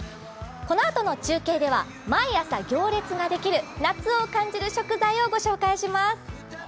このあとの中継では、毎朝行列ができる夏を感じる食材を紹介します。